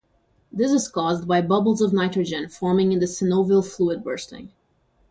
This is caused by bubbles of nitrogen forming in the synovial fluid bursting.